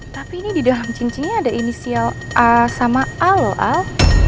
tapi ini di dalam cincinnya ada inisial a sama al